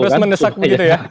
terus menesak begitu ya